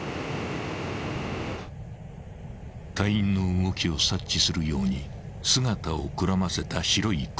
［隊員の動きを察知するように姿をくらませた白い車］